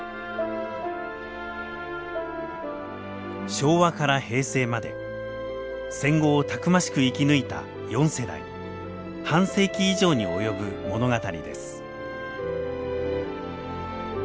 昭和から平成まで戦後をたくましく生き抜いた４世代半世紀以上に及ぶ物語です。